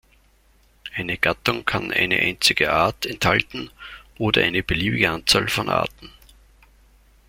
Eine Gattung kann eine einzige Art enthalten oder eine beliebige Anzahl von Arten.